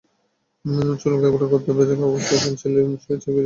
চুল কোঁকড়া করতে ভেজা অবস্থায় পেনসিলে পেঁচিয়ে কিছুক্ষণ রাখলেই কোঁকড়া হয়ে যাবে।